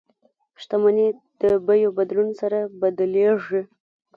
شتمني د بیو بدلون سره بدلیږي.